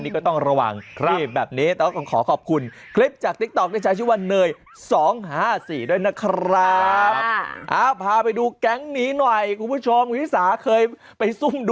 คนขับเนี่ยนะคนนี้นะคะ